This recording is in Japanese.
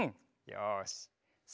よし。